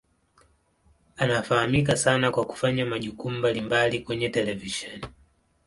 Anafahamika sana kwa kufanya majukumu mbalimbali kwenye televisheni.